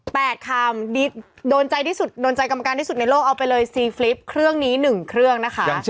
คำโดนใจที่สุดโดนใจกรรมการที่สุดในโลกเอาไปเลยซีฟลิปเครื่องนี้หนึ่งเครื่องนะคะ